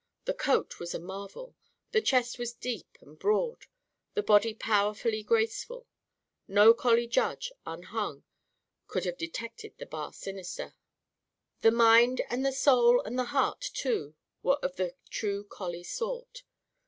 The coat was a marvel. The chest was deep and broad, the body powerfully graceful. No collie judge, unhung, could have detected the bar sinister. The mind and the soul and the heart, too, were of the true collie sort.